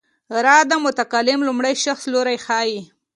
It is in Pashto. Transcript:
را د متکلم لومړی شخص لوری ښيي.